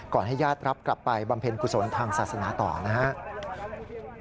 ให้ญาติรับกลับไปบำเพ็ญกุศลทางศาสนาต่อนะครับ